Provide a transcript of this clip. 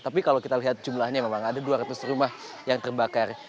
tapi kalau kita lihat jumlahnya memang ada dua ratus rumah yang terbakar